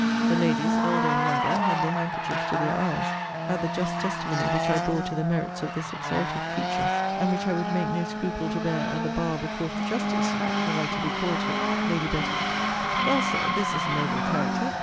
The Ladies, elder and younger, had their handkerchiefs to their eyes, at the just testimony which I bore to the merits of this exalted creature; and which I would make no scruple to bear at the bar of a court of justice, were I to be called to it. Lady Betty. Well, Sir, this is a noble character.